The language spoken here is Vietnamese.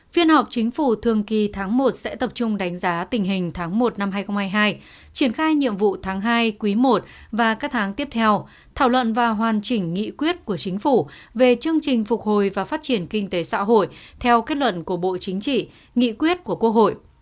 phiên họp chính phủ thường kỳ tháng một sẽ tập trung đánh giá tình hình tháng một năm hai nghìn hai mươi hai triển khai nhiệm vụ tháng hai quý i và các tháng tiếp theo thảo luận và hoàn chỉnh nghị quyết của chính phủ về chương trình phục hồi và phát triển kinh tế xã hội theo kết luận của bộ chính trị nghị quyết của quốc hội